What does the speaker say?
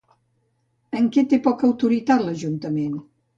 En què té poca autoritat l'Ajuntament?